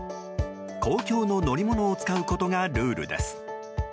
公共の乗り物を使うことがルールです。